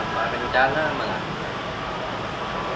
apa rencana mengadukan